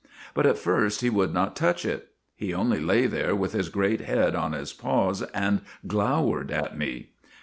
But at first he would not touch it. He only lay there with his great head on his paws and glowered at me.